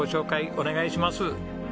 お願いします。